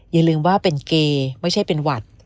อย่าลืมว่าเป็นเกย์ไม่ใช่เป็นหวัด